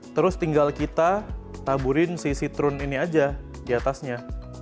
terus tinggal kita taburin si citrun ini aja diatasnya